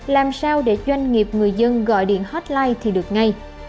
làm sao để doanh nghiệp người dân gọi điện hotline thì được ngay